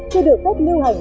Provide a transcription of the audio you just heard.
chưa được phép lưu hành